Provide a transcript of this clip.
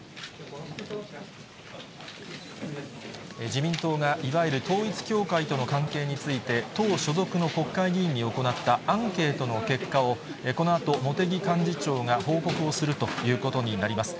自民党がいわゆる統一教会との関係について、党所属の国会議員に行ったアンケートの結果を、このあと茂木幹事長が報告をするということになります。